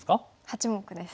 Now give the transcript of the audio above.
８目です。